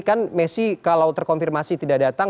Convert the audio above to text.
kan messi kalau terkonfirmasi tidak datang